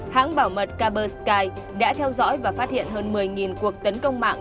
hãng bảo mật caber sky đã theo dõi và phát hiện hơn một mươi cuộc tấn công mạng